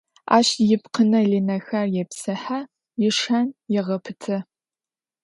Ащ ипкъынэ-лынэхэр епсыхьэ, ишэн егъэпытэ.